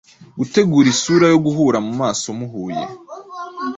Gutegura isura yo guhura mumaso muhuye